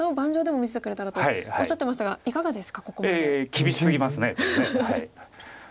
厳しすぎますこれ。